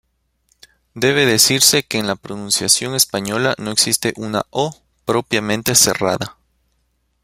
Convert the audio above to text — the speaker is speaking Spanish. Debe decirse que en la pronunciación española no existe una "o" propiamente cerrada.